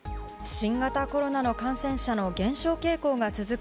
新型コロナの感染者の減少傾向が続く